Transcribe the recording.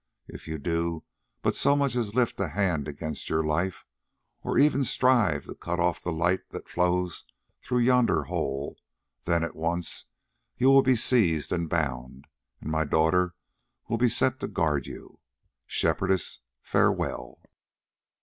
If you do but so much as lift a hand against your life, or even strive to cut off the light that flows through yonder hole, then at once you will be seized and bound, and my daughter will be set to guard you. Shepherdess, farewell."